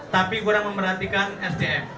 tapi kurang memerhatikan sdm